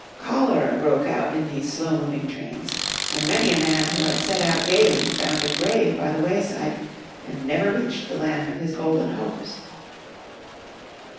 Cholera broke out in these slow moving trains, and many a man who had set out gaily found a grave by the wayside, and never reached the land of his golden hopes.